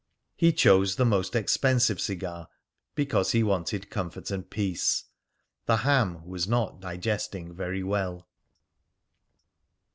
He chose the most expensive cigar because he wanted comfort and peace. The ham was not digesting very well.